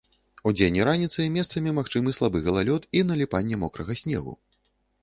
Удзень і раніцай месцамі магчымы слабы галалёд і наліпанне мокрага снегу.